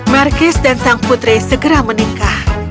markis dan sang putri segera menikah